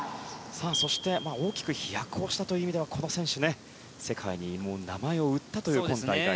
そして大きく飛躍をしたという意味ではこの選手、世界に名前を売ったという今大会。